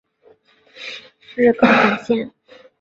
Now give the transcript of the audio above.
日高本线。